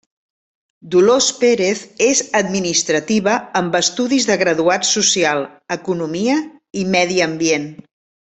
Dolors Pérez és administrativa amb estudis de Graduat Social, Economia i Medi Ambient.